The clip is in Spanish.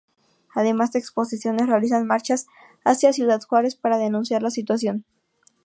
Además de exposiciones realizan marchas hacia Ciudad Juárez para denunciar la situación.